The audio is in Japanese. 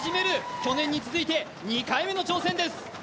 去年に続いて、２回目の挑戦です。